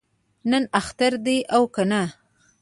نن اختر دی او کنه؟